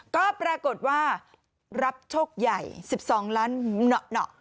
ก็ปรากฏว่ารับโชคใหญ่๑๒ล้านเหนาะ